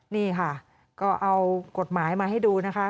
นี่ค่ะก็เอากฎหมายมาให้ดูนะคะ